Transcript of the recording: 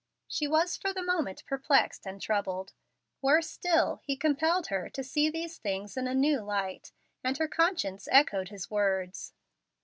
She was for the moment perplexed and troubled. Worse still, he compelled her to see these things in a new light, and her conscience echoed his words.